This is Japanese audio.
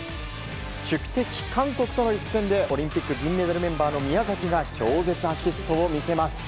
宿敵・韓国との一戦でオリンピック銀メダルメンバーの宮崎が超絶アシストを見せます。